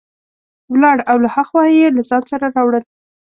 ولاړ او له ها خوا یې له ځان سره راوړل.